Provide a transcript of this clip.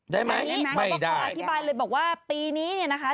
ได้ไหมไม่ได้คุณผู้ชมอธิบายเลยบอกว่าปีนี้นะคะ